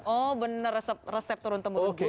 oh benar resep turun tempat google berarti